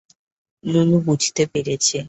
লুলু বুঝতে পেরেছে।